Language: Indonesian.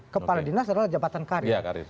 kepala dinas adalah jabatan karya